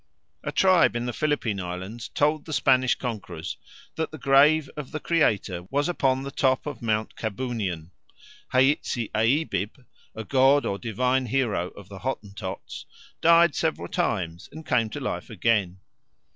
A tribe in the Philippine Islands told the Spanish conquerors that the grave of the Creator was upon the top of Mount Cabunian. Heitsi eibib, a god or divine hero of the Hottentots, died several times and came to life again.